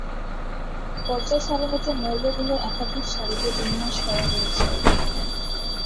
পর্যায় সারণীতে মৌলগুলো একাধিক সারিতে বিন্যাস করা হয়েছে।